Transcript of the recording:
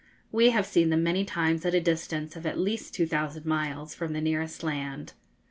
We have seen them many times at a distance of at least two thousand miles from the nearest land.